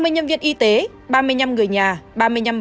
hai mươi nhân viên y tế ba mươi năm người nhà ba mươi năm bệnh nhân